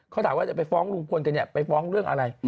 เขาถามว่าจะไปฟ้องลุงพลกันเนี่ยไปฟ้องเรื่องอะไร